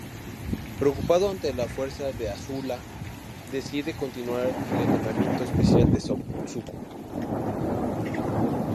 Preocupado ante la fuerza de Azula, decide continuar el entrenamiento especial de Zuko.